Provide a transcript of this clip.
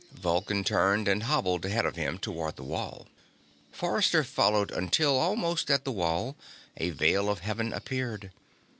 Vulcan turned and hobbled ahead of him toward the wall. Forrester followed until, almost at the wall, a Veil of Heaven appeared.